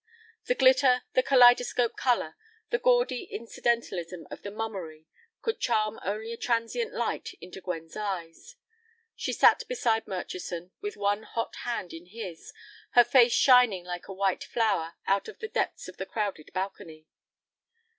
The glitter, the kaleidoscopic color, the gaudy incidentalism of the mummery could charm only a transient light into Gwen's eyes. She sat beside Murchison, with one hot hand in his, her face shining like a white flower out of the depths of the crowded balcony.